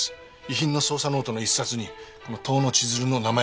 遺品の捜査ノートの１冊にこの遠野千鶴の名前がありました。